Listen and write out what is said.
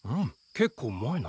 結構うまいな。